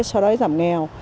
so với giảm nghèo